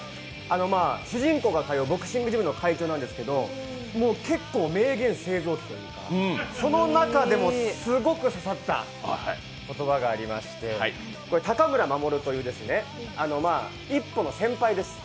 主人公が通うボクシングジムの会長なんですがもう結構、名言製造機というか、その中でもすごく刺さった言葉がありまして、鷹村守という一歩の先輩です。